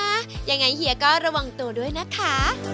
ยังไงเฮียก็ระวังตัวด้วยนะคะ